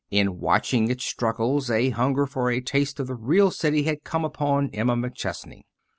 In watching its struggles a hunger for a taste of the real city had come upon Emma McChesney.